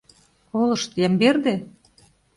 Колышт, Ямберде?..